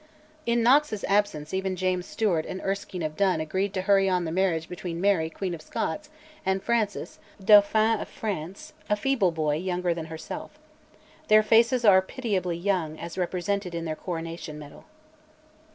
In Knox's absence even James Stewart and Erskine of Dun agreed to hurry on the marriage between Mary, Queen of Scots, and Francis, Dauphin of France, a feeble boy, younger than herself. Their faces are pitiably young as represented in their coronation medal.